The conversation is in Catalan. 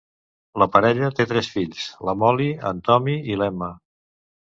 La parella té tres fills, la Molly, en Tommy i l'Emma.